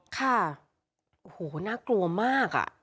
ค่ะโอ้โหน่ากลัวมากอ่ะ